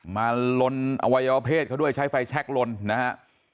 มาลนอวัยวเพศเขาด้วยใช้ไฟแช็คลนนะฮะ